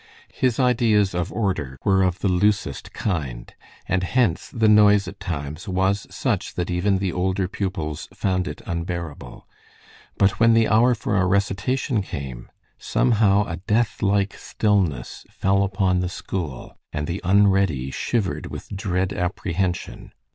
His ideas of order were of the loosest kind, and hence the noise at times was such that even the older pupils found it unbearable; but when the hour for recitation came, somehow a deathlike stillness fell upon the school, and the unready shivered with dread apprehension.